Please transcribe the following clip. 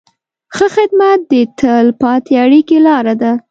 ښه خدمت د تل پاتې اړیکې لاره ده.